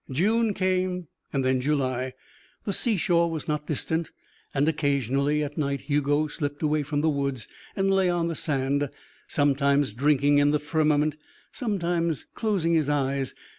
June came, and July. The sea shore was not distant and occasionally at night Hugo slipped away from the woods and lay on the sand, sometimes drinking in the firmament, sometimes closing his eyes.